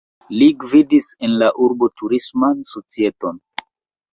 Li gvidis en la urbo turisman societon.